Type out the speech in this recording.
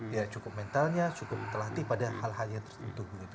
ya cukup mentalnya cukup terlatih pada hal hal yang tertutup gitu